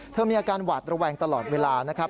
มีอาการหวาดระแวงตลอดเวลานะครับ